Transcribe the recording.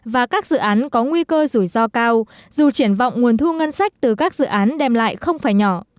và các dự án có nguy cơ rủi ro cao dù triển vọng nguồn thu ngân sách từ các dự án đem lại không phải nhỏ